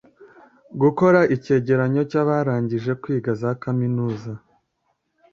Gukora icyegeranyo cy abarangije kwiga za kaminuza